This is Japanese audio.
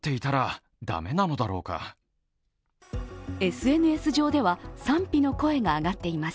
ＳＮＳ上では賛否の声が上がっています。